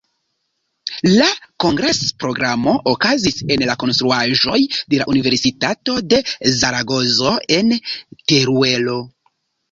La kongres-programo okazis en la konstruaĵoj de la Universitato de Zaragozo en Teruelo.